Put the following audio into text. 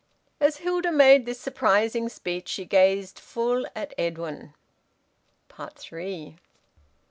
As Hilda made this surprising speech she gazed full at Edwin. THREE.